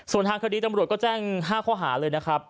ส่วนทางคดีตำรวจก็แจ้ง๕ข้อหาเลยนะครับ